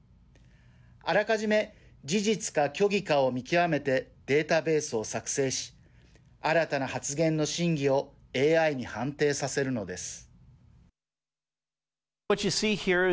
あらかじめ事実か虚偽かを見極めてデータベースを作成し新たな発言の真偽をＡＩに判定させるのです。